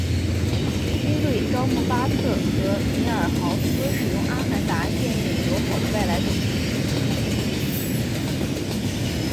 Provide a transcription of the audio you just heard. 军队招募巴特和米尔豪斯使用阿凡达建立交好的外来种族。